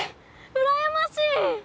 うらやましい！